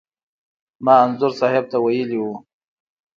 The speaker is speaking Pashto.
ما انځور صاحب ته ویلي و.